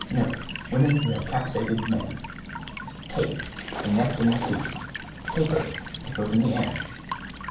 Note, Women who have captivated men. =CAPE= A neck in the sea. =CAPER= A foot in the air.